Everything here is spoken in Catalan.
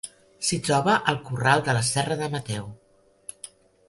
S'hi troba el Corral de la Serra de Mateu.